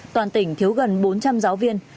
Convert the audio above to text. toàn tỉnh thiếu gần bốn trăm linh giáo viên